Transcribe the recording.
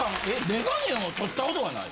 メガネを取ったことがない？